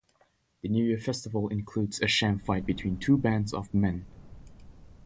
The New Year festival includes a sham fight between two bands of men.